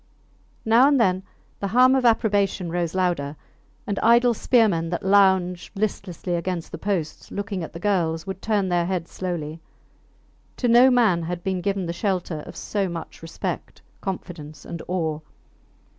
Now and then the hum of approbation rose louder, and idle spearmen that lounged listlessly against the posts, looking at the girls, would turn their heads slowly. To no man had been given the shelter of so much respect, confidence, and awe.